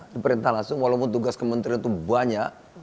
di perintah langsung walaupun tugas kementerian itu banyak